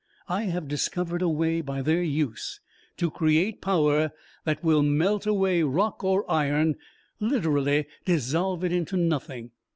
I have discovered a way, by their use, to create power that will melt away rock or iron literally dissolve it into nothing!